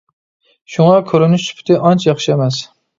شۇڭا كۆرۈنۈش سۈپىتى ئانچە ياخشى ئەمەس.